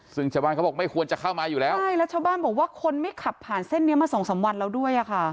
ซึ่งชาวบ้านเขาบอกไม่ควรจะเข้ามาอยู่แล้วใช่แล้วชาวบ้านบอกว่าคนไม่ขับผ่านเส้นนี้มาสองสามวันแล้วด้วยอ่ะค่ะ